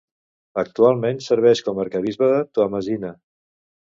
Actualment serveix com a arquebisbe de Toamasina.